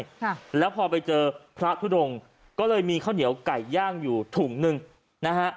ค่ะแล้วพอไปเจอพระทุดงก็เลยมีข้าวเหนียวไก่ย่างอยู่ถุงหนึ่งนะฮะ